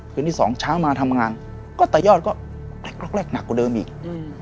คืนที่สองช้ามาทำงานก็ตะยอดก็หนักกว่าเดิมอีกอืม